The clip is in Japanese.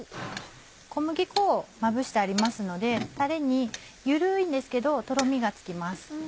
小麦粉をまぶしてありますのでたれに緩いんですけどとろみがつきます。